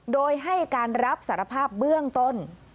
โดยให้การรับสารภาพเบื้องต้น